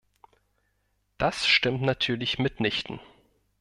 Das stimmt natürlich mitnichten.